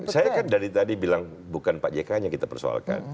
saya kan dari tadi bilang bukan pak jk nya kita persoalkan